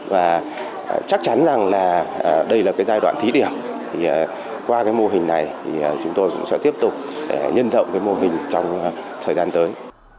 và chắc chắn rằng là đây là cái giai đoạn thí điểm thì qua cái mô hình này thì chúng tôi cũng sẽ tiếp tục nhân rộng cái mô hình trong thời gian tới